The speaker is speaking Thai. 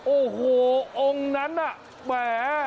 โอ้โหองค์นั้นน่ะแหม